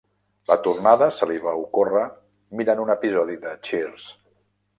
La tornada se li va ocórrer mirant un episodi de "Cheers".